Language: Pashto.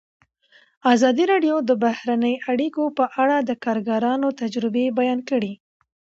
ازادي راډیو د بهرنۍ اړیکې په اړه د کارګرانو تجربې بیان کړي.